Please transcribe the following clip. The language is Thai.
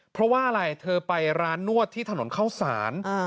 เพราะว่าอะไรเธอไปร้านนวดที่ถนนเข้าสาร